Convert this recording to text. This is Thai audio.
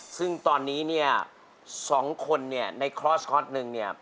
ซึ่งตอนนี้เนี่ยสองคนนี่ในคล้อสนึงเนี่ย